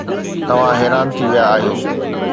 توهان حيران ٿي ويا آهيو.